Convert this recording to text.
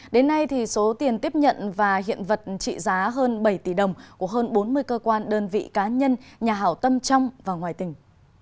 đến nay số tiền tiếp nhận và hiện vật trị giá hơn bảy tỷ đồng của hơn bốn mươi cơ quan đơn vị cá nhân nhà hảo tâm trong và ngoài tỉnh